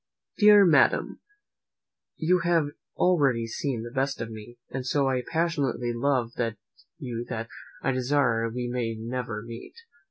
"DEAR MADAM, "You have already seen the best of me, and I so passionately love you that I desire we may never meet.